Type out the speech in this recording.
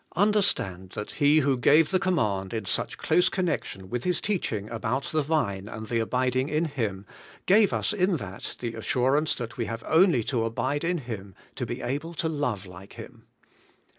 Understand that He who gave the command in such close connection with His teaching about the Vine and the abiding in Him, gave us in that the assurance that we have only to abide in Him to be able to love like Him.